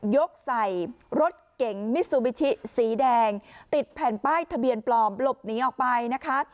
กใส่รถเก๋งมิซูบิชิสีแดงติดแผ่นป้ายทะเบียนปลอมหลบหนีออกไปนะคะ